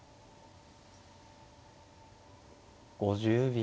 ５０秒。